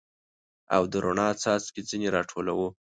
او د رڼا څاڅکي ځیني را ټولوو